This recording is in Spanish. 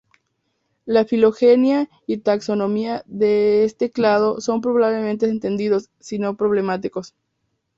La filogenia y taxonomía de este clado son pobremente entendidos, sino problemáticos.